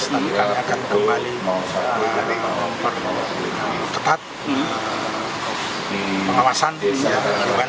tapi kami akan kembali memperketat pengawasan dan bantu dari awal awal